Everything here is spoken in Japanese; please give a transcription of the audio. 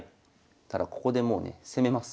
ただここでもうね攻めます。